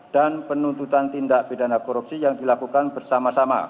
dan penuntutan tindak pidana korupsi yang dilakukan bersama sama